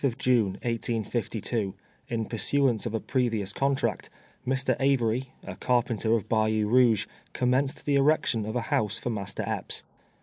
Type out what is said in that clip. Lsf tlie moiitli of June, 1852, in pursuance of aj^re vious contract, Mr. Avery, a carpenter of Bayou Kouge, commenced the erection of a house for Mas ter Epps.